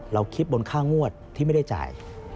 คิดบนค่างวดที่ไม่ได้จ่าย